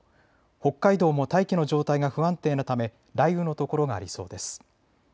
北海道も大気の状態が不安定なため雷雨の所がありそうです。